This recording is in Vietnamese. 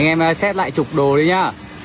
anh em xét lại chục đồ đi nhé